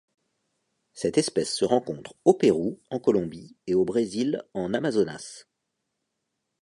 Cette espèce se rencontre au Pérou, en Colombie et au Brésil en Amazonas.